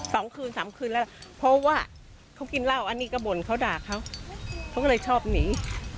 สองคืนสามคืนแล้วเพราะว่าเขากินเหล้าอันนี้ก็บ่นเขาด่าเขาเขาก็เลยชอบหนี